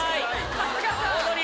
春日さん！